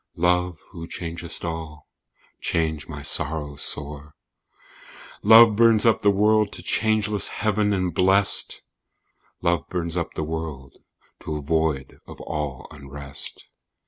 "Love, who changest all, change my sorrow sore!" Love burns up the world to changeless heaven and blest, "Love burns up the world to a void of all unrest."